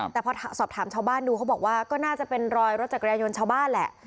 แต่พอสอบถามชาวบ้านดูเขาบอกว่าก็น่าจะเป็นรอยรถจักรยายนต์ชาวบ้านแหละ